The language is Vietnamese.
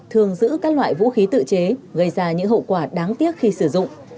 thường giữ các loại vũ khí tự chế gây ra những hậu quả đáng tiếc khi sử dụng